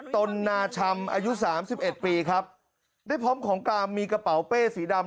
ตนนาชำอายุสามสิบเอ็ดปีครับได้พร้อมของกลางมีกระเป๋าเป้สีดำ